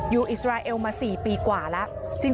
อิสราเอลมา๔ปีกว่าแล้ว